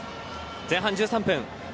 前半１３分。